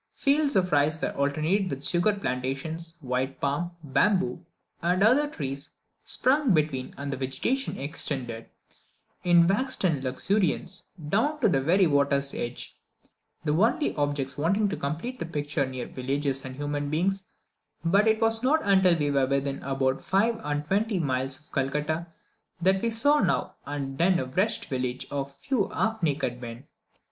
Fields of rice were alternated with sugar plantations, while palm, bamboo, and other trees, sprung up between, and the vegetation extended, in wanton luxuriance, down to the very water's edge; the only objects wanting to complete the picture were villages and human beings, but it was not until we were within about five and twenty miles of Calcutta that we saw now and then a wretched village or a few half naked men.